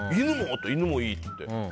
犬もいいって。